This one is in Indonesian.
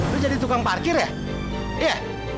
lu jadi tukang parkir ya iya